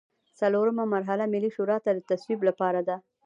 څلورمه مرحله ملي شورا ته د تصویب لپاره ده.